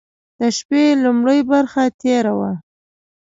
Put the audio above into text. د شپې لومړۍ برخه تېره وه.